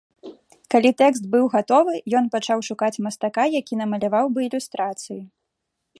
Калі тэкст быў гатовы, ён пачаў шукаць мастака, які намаляваў бы ілюстрацыі.